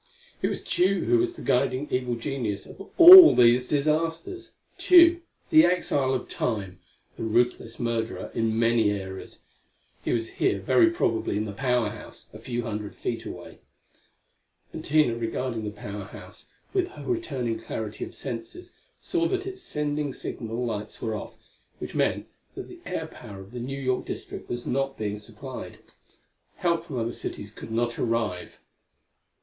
It was Tugh who was the guiding evil genius of all these disasters! Tugh, the exile of Time, the ruthless murderer in many eras! He was here, very probably, in the Power House, a few hundred feet away. And Tina, regarding that Power House with her returning clarity of senses saw that its sending signal lights were off, which meant that the air power of the New York District was not being supplied. Help from other cities could not arrive.